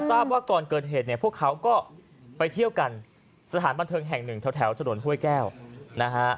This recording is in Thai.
ทราบว่าก่อนเกิดเหตุเนี่ยพวกเขาก็ไปเที่ยวกันสถานบันเทิงแห่งหนึ่งแถวถนนห้วยแก้วนะฮะ